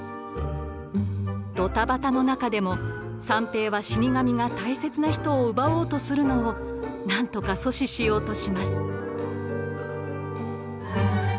ドタバタの中でも三平は死神が大切な人を奪おうとするのを何とか阻止しようとします。